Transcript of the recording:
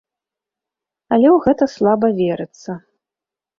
Але ў гэта слаба верыцца.